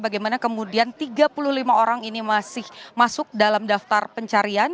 bagaimana kemudian tiga puluh lima orang ini masih masuk dalam daftar pencarian